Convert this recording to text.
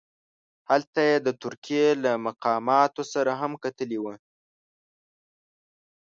هلته یې د ترکیې له مقاماتو سره هم کتلي وه.